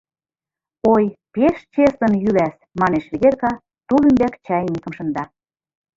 Ой, пеш чеслын йӱлас, — манеш Ведерка, тул ӱмбак чайникым шында.